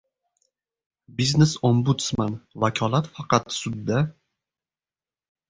Biznes Ombudsman: vakolat faqat sudda...